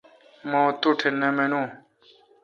مہ توٹھ نہ مانوں